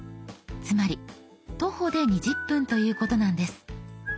つまり徒歩で２０分ということなんです。